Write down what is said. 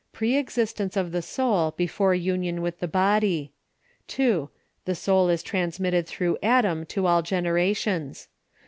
Pre existence of the soul before union with the body. 2. The soul is trans mitted through Adam to all generations.